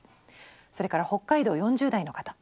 それから北海道４０代の方。